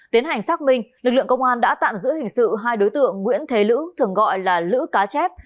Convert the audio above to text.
tiến hành xác minh lực lượng công an đã tạm giữ hình sự hai đối tượng nguyễn thế lữ thường gọi là lữ cá chép